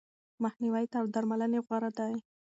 مخنیوی تر درملنې غوره دی.